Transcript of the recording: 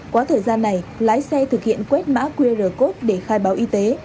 quá thời gian này lái xe thực hiện quét mã qr code để khai báo y tế